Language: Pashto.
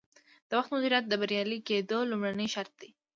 د وخت مدیریت د بریالي کیدو لومړنی شرط دی.